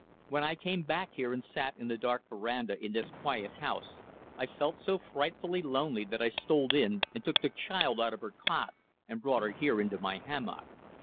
When I came back here and sat in the dark verandah in this quiet house I felt so frightfully lonely that I stole in and took the child out of her cot and brought her here into my hammock.